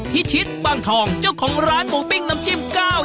พิชิตบางทองเจ้าของร้านหมูปิ้งน้ำจิ้ม๙